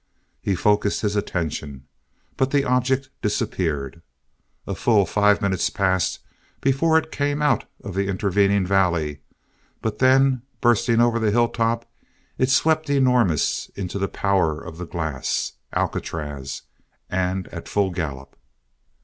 He focused his attention, but the object disappeared. A full five minutes passed before it came out of the intervening valley but then, bursting over the hilltop, it swept enormous into the power of the glass Alcatraz, and at full gallop!